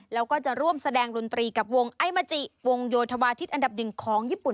แล้วก็จะร่วมแสดงดนตรีกับวงไอมาจิวงโยธวาทิศอันดับหนึ่งของญี่ปุ่น